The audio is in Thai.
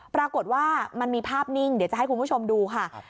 ปรากฏว่ามันมีภาพนิ่งเดี๋ยวจะให้คุณผู้ชมดูค่ะ